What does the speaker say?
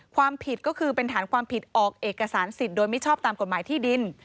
ความผิดก็คือเป็นฐานความผิดออกเอกสารสิทธิ์โดยมิชอบตามกฎหมายที่ดิน